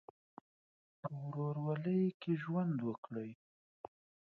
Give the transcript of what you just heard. په ورورولۍ کې ژوند وکړئ.